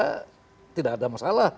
kalau memang tidak bisa tidak ada masalah